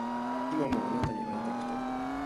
今もあなたに逢いたくて